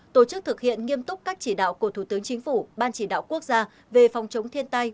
tổ chức thực hiện nghiêm túc các chỉ đạo của thủ tướng chính phủ ban chỉ đạo quốc gia về phòng chống thiên tai